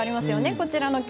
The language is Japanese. こちらの曲。